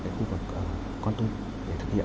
cái khu vực con tum để thực hiện